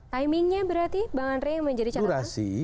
timingnya berarti bang andri yang menjadi calon apa